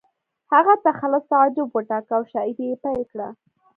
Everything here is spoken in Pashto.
هغه تخلص تعجب وټاکه او شاعري یې پیل کړه